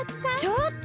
ちょっと！